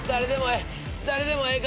誰でもええ